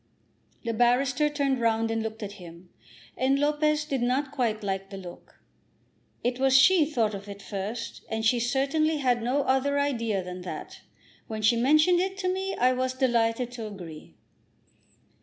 The barrister turned round and looked at him, and Lopez did not quite like the look. "It was she thought of it first, and she certainly had no other idea than that. When she mentioned it to me, I was delighted to agree."